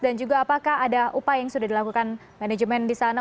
dan juga apakah ada upaya yang sudah dilakukan manajemen di sana